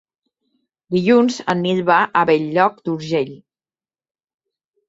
Dilluns en Nil va a Bell-lloc d'Urgell.